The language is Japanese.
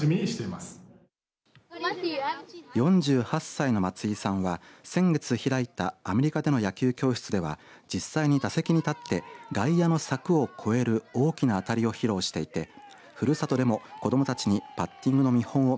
４８歳の松井さんは先月開いたアメリカでの野球教室では実際に打席に立って外野の柵を越える大きな当たりを披露していてふるさとでもバッティングの見本を